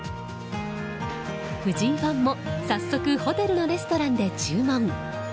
藤井ファンも早速ホテルのレストランで注文。